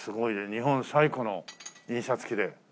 日本最古の印刷機で。